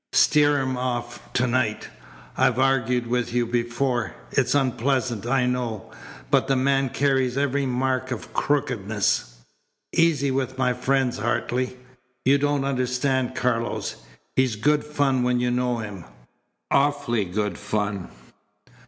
Steer him off to night. I've argued with you before. It's unpleasant, I know, but the man carries every mark of crookedness." "Easy with my friends, Hartley! You don't understand Carlos. He's good fun when you know him awfully good fun."